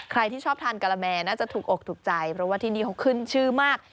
ใครที่ชอบทานกะละแมน่าจะถูกอกถูกใจเพราะว่าที่นี่เขาขึ้นชื่อมาก